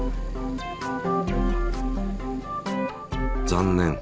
残念。